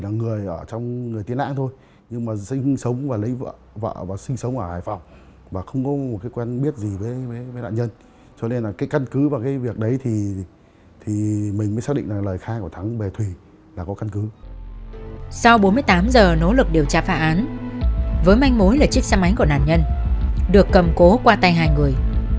sau bốn mươi tám giờ nỗ lực điều tra phá án với manh mối là chiếc xe máy của nạn nhân được cầm cố qua tay hai người